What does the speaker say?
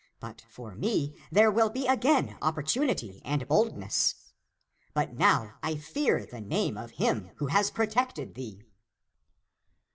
but for me there will be again opportunity and boldness. But now I fear the name of him who has protected thee."